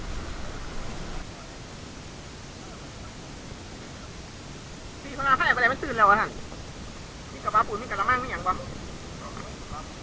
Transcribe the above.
เมื่อวานน้ำซุ้มขนาดนี้กว่า